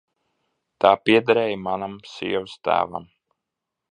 Tā piederēja manam sievastēvam.